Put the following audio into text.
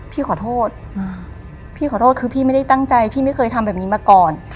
พี่ขอโทษพี่ขอโทษคือพี่ไม่ได้ตั้งใจพี่ไม่เคยทำแบบนี้มาก่อน